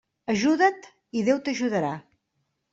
Ajuda't i Déu t'ajudarà.